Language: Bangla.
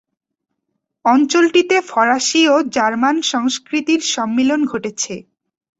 অঞ্চলটিতে ফরাসি ও জার্মান সংস্কৃতির সম্মিলন ঘটেছে।